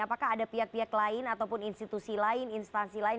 apakah ada pihak pihak lain ataupun institusi lain instansi lain